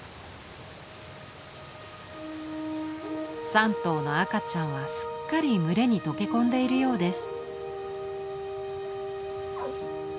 ３頭の赤ちゃんはすっかり群れに溶け込んでいるようです。